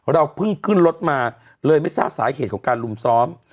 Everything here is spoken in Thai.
เราเพิ่งขึ้นรถมาเลยไม่ทราบสาเหตุของการลุมซ้อม